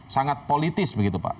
sangat politis begitu pak